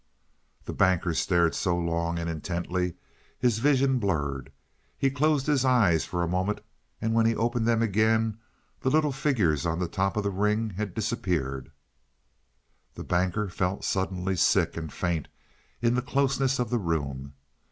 The Banker stared so long and intently, his vision blurred. He closed his eyes for a moment, and when he opened them again the little figures on the top of the ring had disappeared. The Banker felt suddenly sick and faint in the closeness of the room.